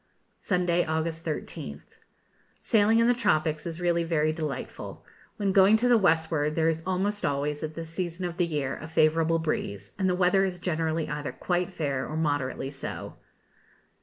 Sunday, August 13th. Sailing in the tropics is really very delightful! When going to the westward, there is almost always, at this season of the year, a favourable breeze, and the weather is generally either quite fair or moderately so.